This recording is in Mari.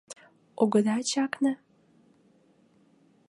— Огыда чакне?